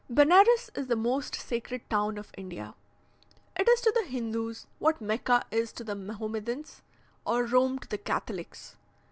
Benares is the most sacred town of India. It is to the Hindoos what Mecca is to the Mahomedans, or Rome to the Catholics.